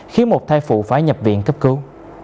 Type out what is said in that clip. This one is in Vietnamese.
khiến một thai phụ phải nhập viện cấp cứu